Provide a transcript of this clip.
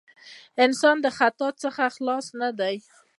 انسان د خطاء څخه خلاص نه دی.